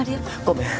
ごめん。